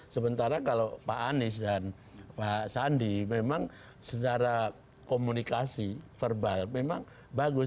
sementara kalau pak anies dan pak sandi memang secara komunikasi verbal memang bagus